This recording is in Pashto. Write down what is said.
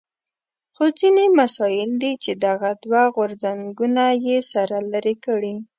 خو ځینې مسایل دي چې دغه دوه غورځنګونه یې سره لرې کړي.